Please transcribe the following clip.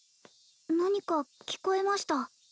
何か聞こえました